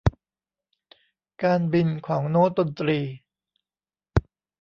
การบินของโน้ตดนตรี